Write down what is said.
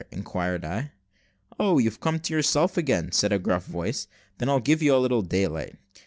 inquired I. "Oh! you've come to yourself again," said a gruff voice; "then I'll give you a little daylight."